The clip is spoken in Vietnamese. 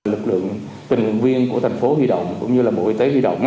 lực lượng tình nguyện viên của thành phố huy động cũng như là bộ y tế huy động